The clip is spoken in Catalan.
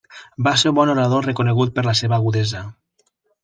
Va ser un bon orador reconegut per la seva agudesa.